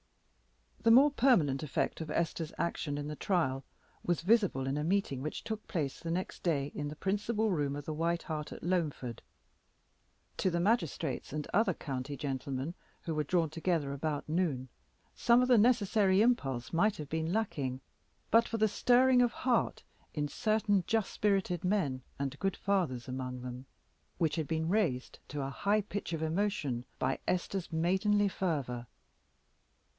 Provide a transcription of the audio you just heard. The more permanent effect of Esther's action in the trial was visible in a meeting which took place the next day in the principal room of the White Hart of Loamford. To the magistrates and other county gentlemen who were drawn together about noon, some of the necessary impulse might have been lacking but for that stirring of heart in certain just spirited men and good fathers among them, which had been raised to a high pitch of emotion by Esther's maidenly fervor.